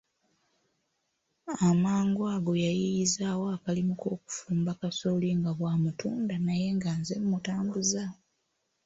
Amangu ago yayiiyizaawo akalimu k'okufumba kasooli nga bw'amutunda naye nga nze mmutambuza.